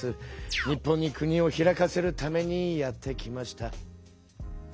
日本に国を開かせるためにやって来ました。